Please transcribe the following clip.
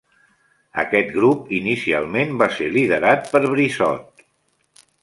Aquest grup inicialment va ser liderat per Brissot.